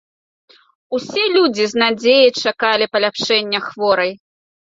Усе людзі з надзеяй чакалі паляпшэння хворай.